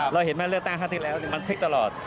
เราเห็นได้เลือกตั้งค่าที่แล้วมันเผ็ดตลอด